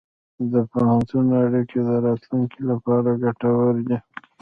د پوهنتون اړیکې د راتلونکي لپاره ګټورې دي.